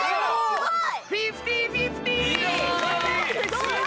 すごい！